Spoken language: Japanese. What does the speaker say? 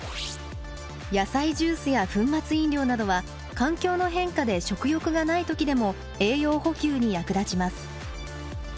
野菜ジュースや粉末飲料などは環境の変化で食欲がない時でも栄養補給に役立ちます。